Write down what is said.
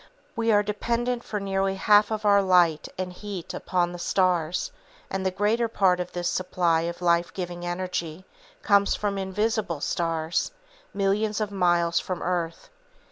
We are dependent for nearly half of our light and heat upon the stars, and the greater part of this supply of life giving energy comes from invisible stars, millions of miles from the earth.